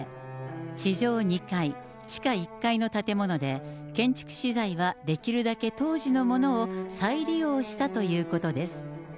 地上２階、地下１階の建物で、建築資材はできるだけ当時のものを再利用したということです。